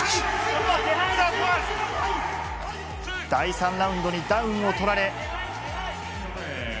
第３ラウンドにダウンを取られ。